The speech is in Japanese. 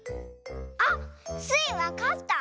あっスイわかった！